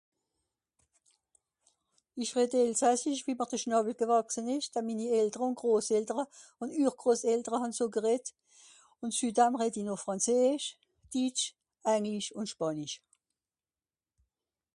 Ìch redde elsassisch, wie mr de Schnàwwel gwàchse-n-ìsch, dann minni Eltere ùn Groseltere ùn Ührgroseltere hàn so gereddt, ùn (...) redd i noch frànzeesch, ditsch anglisch ùn spànisch.